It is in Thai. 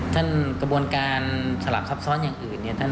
ท่านกระบวนการสลับซับซ้อนอย่างอื่น